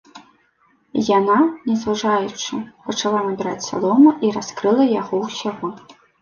Яна, не зважаючы, пачала набіраць салому і раскрыла яго ўсяго.